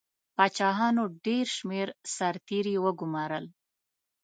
پاچاهانو ډېر شمېر سرتیري وګمارل.